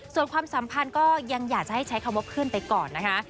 ส่วนความสัมพันธ์ก็ยังอยากจะให้ใช้คำว่าเพื่อนไปก่อนนะคะ